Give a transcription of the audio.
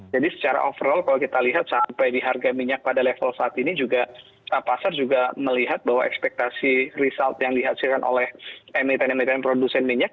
jadi secara overall kalau kita lihat sampai di harga minyak pada level saat ini juga pasar juga melihat bahwa ekspektasi result yang dihasilkan oleh emiten emiten produsen minyak